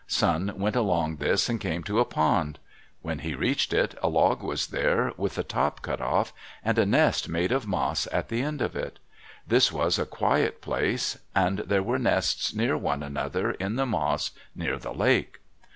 Sun went along this and came to a pond. When he reached it, a log was there, with the top cut off, and a nest made of moss at the end of it. This was a quiet place. And there were nests near one another in the moss near the lake.